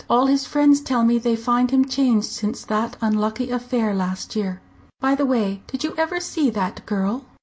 All his friends tell me they find him changed since that unlucky affair last year. By the way, did you ever see that girl?"